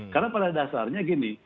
karena pada dasarnya gini